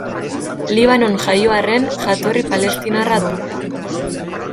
Libanon jaio arren, jatorri palestinarra du.